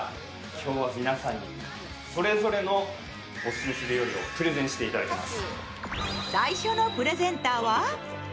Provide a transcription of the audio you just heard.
今日は皆さんにそれぞれのオススメする料理をプレゼンしていただきます。